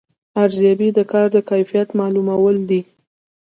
ارزیابي د کار د کیفیت معلومول دي